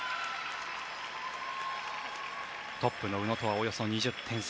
トップの宇野とはおよそ２０点差。